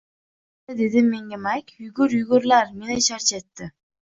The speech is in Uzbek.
Endi, dedi menga Mak, yugur-yugurlar meni charchatdi